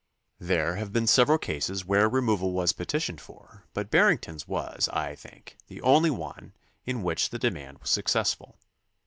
There have been several cases where removal was petitioned for, but Barrington's was, I think, the only one in which the demand was successful.